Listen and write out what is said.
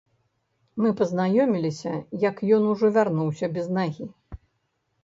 Мы пазнаёміліся, як ён ужо вярнуўся без нагі.